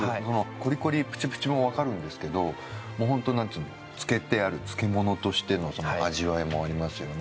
コリコリプチプチもわかるんですけどもうホント漬けてある漬物としての味わいもありますよね。